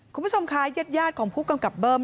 คุณผู้ชมคะญาติของผู้กำกับเบิ้ม